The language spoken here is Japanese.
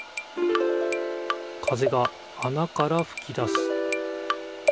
風があなからふき出す。